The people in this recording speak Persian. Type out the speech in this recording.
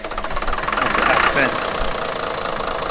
متعفن